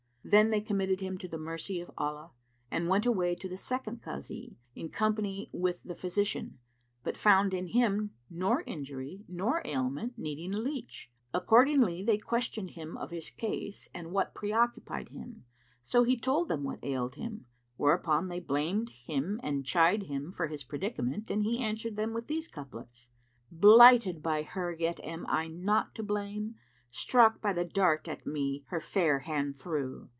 Then they committed him to the mercy of Allah and went away to the second Kazi, in company with the physician, but found in him nor injury nor ailment needing a leach. Accordingly they questioned him of his case and what preoccupied him; so he told them what ailed him, whereupon they blamed him and chid him for his predicament and he answered them with these couplets, "Blighted by her yet am I not to blame; * Struck by the dart at me her fair hand threw.